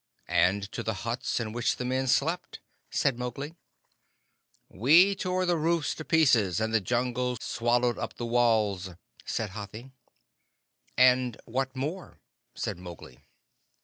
"And to the huts in which the men slept?" said Mowgli. "We tore the roofs to pieces, and the Jungle swallowed up the walls," said Hathi. "And what more?" said Mowgli.